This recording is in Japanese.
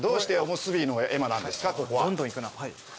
どんどんいくな。